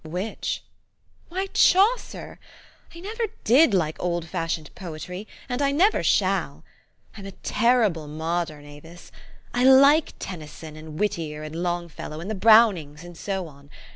'' "Which?" " Why, Chaucer ! I never did like old fashioned poetry, and I never shall. I'm a terrible modern, Avis. I like Tennyson and Whittier and Long fellow, and the Brownings, and so on.